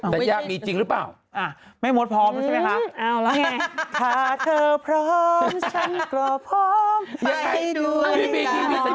สัญญามีจริงหรือเปล่า